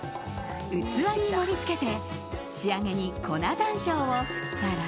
器に盛り付けて仕上げに粉山椒を振ったら。